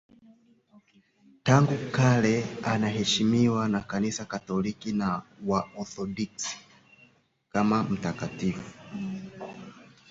Tangu kale anaheshimiwa na Kanisa Katoliki na Waorthodoksi kama mtakatifu.